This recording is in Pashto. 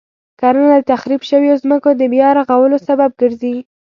کرنه د تخریب شويو ځمکو د بیا رغولو سبب ګرځي.